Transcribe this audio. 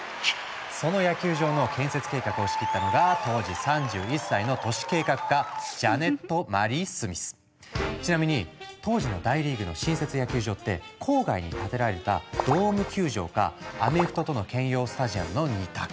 その野球場の建設計画を仕切ったのがちなみに当時の大リーグの新設野球場って郊外に建てられたドーム球場かアメフトとの兼用スタジアムの２択。